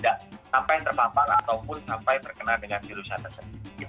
jangan sampai terpampang ataupun sampai terkena virusnya